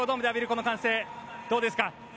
この歓声、どうですか。